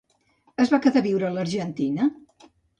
Es va quedar a viure a l'Argentina?